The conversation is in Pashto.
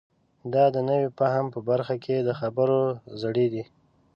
دا د نوي فهم په برخه کې د خبرو زړی دی.